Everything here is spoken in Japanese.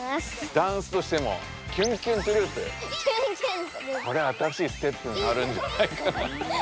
ダンスとしてもあれ新しいステップになるんじゃないかな。